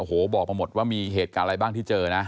โอ้โหบอกมาหมดว่ามีเหตุการณ์อะไรบ้างที่เจอนะ